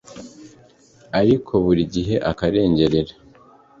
ariko buri gihe akarengerera,